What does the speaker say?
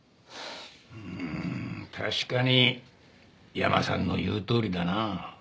うーん確かに山さんの言うとおりだな。